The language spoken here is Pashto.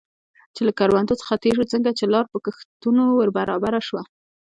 چې له کروندو څخه تېر شو، څنګه چې لار په کښتونو ور برابره شوه.